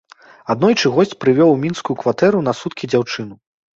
Аднойчы госць прывёў у мінскую кватэру на суткі дзяўчыну.